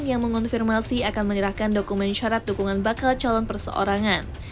yang mengonfirmasi akan menyerahkan dokumen syarat dukungan bakal calon perseorangan